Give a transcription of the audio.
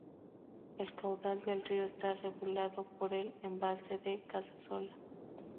El caudal del río está regulado por el embalse de Casasola.